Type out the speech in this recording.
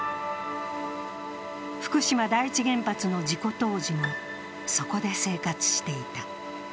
福島第一原発の事故当時もそこで生活していた。